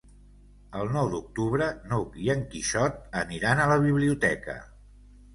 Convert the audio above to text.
El nou d'octubre n'Hug i en Quixot aniran a la biblioteca.